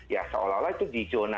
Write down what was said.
ya seolah olah itu di zona